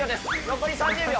残り３０秒。